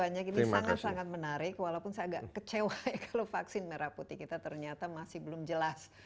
banyak ini sangat sangat menarik walaupun saya agak kecewa ya kalau vaksin merah putih kita ternyata masih belum jelas